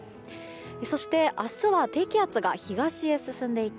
そして、明日は低気圧が東へ進んでいき